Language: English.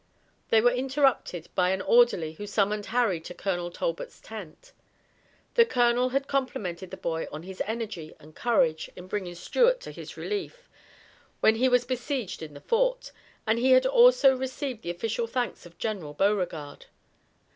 They were interrupted by an orderly who summoned Harry to Colonel Talbot's tent. The colonel had complimented the boy on his energy and courage in bringing Stuart to his relief, when he was besieged in the fort, and he had also received the official thanks of General Beauregard.